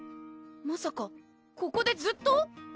まさかここでずっと？